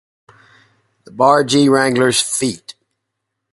The Bar G Wranglers feat.